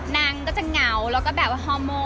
นางก็จะเหงาแล้วก็แบบว่าฮอร์โม